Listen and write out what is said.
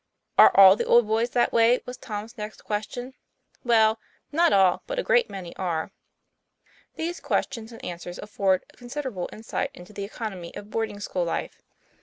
"Are all the old boys that way?" was Tom's next question. 'Well, not all. But a great many are." These queistions and answers afford considerable insight into the economy of boarding school life.